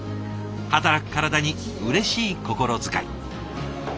働く体にうれしい心遣い。